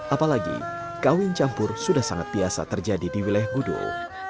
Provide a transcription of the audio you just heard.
apalagi kawin campur sudah sangat biasa terjadi di wilayah gudul